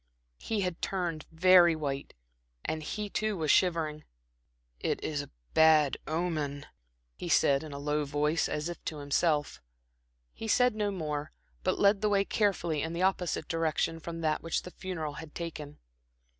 He had turned very white, and he too was shivering. "It is a bad omen," he said, in a low voice, as if to himself. He said no more, but led the way carefully in the opposite direction from that which the funeral had taken.